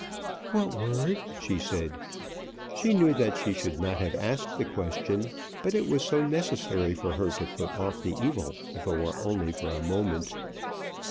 "What word?" she said. She knew that she should not have asked the question, but it was so necessary for her to put off the evil if it were only for a moment.